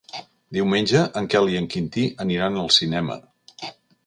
Diumenge en Quel i en Quintí aniran al cinema.